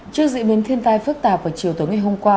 trước diễn biến thiên tai phức tạp vào chiều tối ngày hôm qua